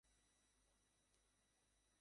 ওদের piece piece করে ফেলবো।